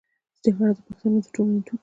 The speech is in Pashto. جرګه د پښتنو د ټولنې دود دی